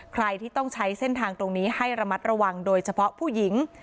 ใครที่ต้องใช้เส้นทางตรงนี้ให้ระมัดระวังโดยเฉพาะผู้หญิง